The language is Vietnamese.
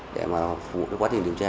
để mà phục vụ cái quá trình điều tra